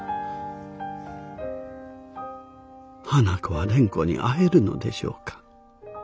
花子は蓮子に会えるのでしょうか？